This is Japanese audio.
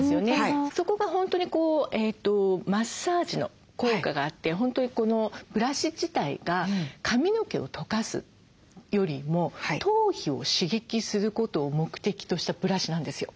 そこが本当にマッサージの効果があって本当にこのブラシ自体が髪の毛をとかすよりも頭皮を刺激することを目的としたブラシなんですよ。